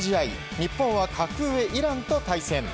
日本は格上イランと対戦。